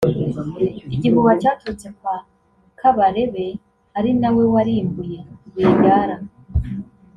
Igihuha cyaturutse kwa Kabarebe ari nawe warimbuye Rwigara